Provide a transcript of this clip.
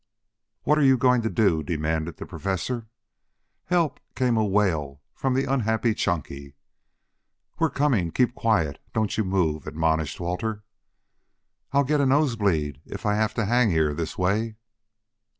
"What are you going to do?" demanded the Professor. "Help!" came a wail from the unhappy Chunky. "We're coming. Keep quiet. Don't you move," admonished Walter. "I'll get a nosebleed if I have to hang here this way."